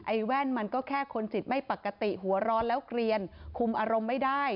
แว่นมันก็แค่คนจิตไม่ปกติหัวร้อนแล้วเกลียนคุมอารมณ์ไม่ได้